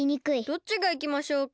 どっちがいきましょうか？